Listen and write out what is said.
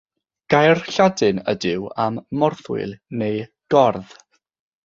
Gair Lladin ydyw am “morthwyl” neu “gordd”.